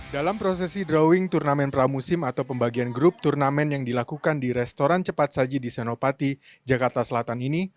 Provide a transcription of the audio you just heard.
dalam prosesi drawing turnamen pramusim atau pembagian grup turnamen yang dilakukan di restoran cepat saji di senopati jakarta selatan ini